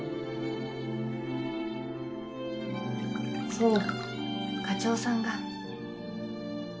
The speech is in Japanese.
そう課長さんが。